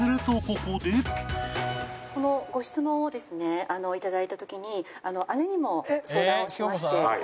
このご質問をですね頂いた時に姉にも相談をしまして。